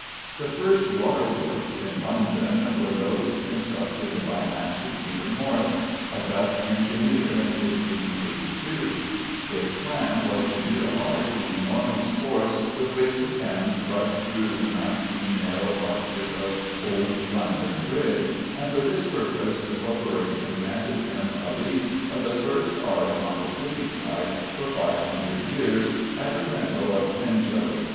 The first waterworks in London were those constructed by Master Peter Morrys, a Dutch engineer, in 1582. His plan was to utilise the enormous force with which the Thames rushed through the nineteen narrow arches of old London Bridge, and for this purpose the Corporation granted him a lease of the first arch on the City side for 500 years, at a rental of 10s.